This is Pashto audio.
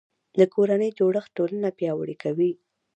د کورنۍ جوړښت ټولنه پیاوړې کوي